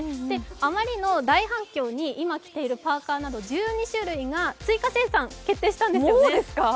あまりの大反響に今着ているパーカーなど１２種類が追加生産、決定したんですよね。